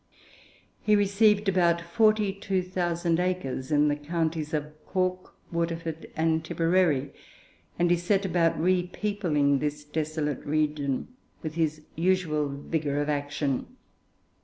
He received about forty two thousand acres in the counties of Cork, Waterford, and Tipperary, and he set about repeopling this desolate region with his usual vigour of action.